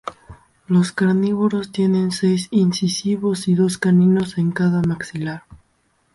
Los carnívoros tienen seis incisivos y dos caninos en cada maxilar.